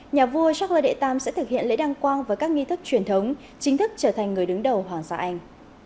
nhà vua shackler đệ tam sẽ thực hiện lễ đăng quang với các nghi thức truyền thống chính thức trở thành người đứng đầu hoàng gia anh